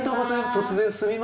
突然すみません。